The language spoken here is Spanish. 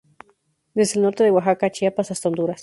Desde el norte de Oaxaca, Chiapas hasta Honduras.